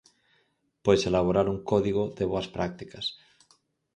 Pois elaborar un código de boas prácticas.